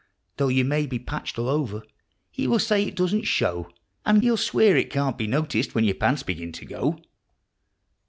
Though you may be patched all over he will say it doesn't show, And he'll swear it can't be noticed when your pants begin to go.